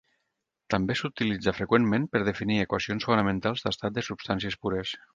També s'utilitza freqüentment per definir equacions fonamentals d'estat de substàncies pures.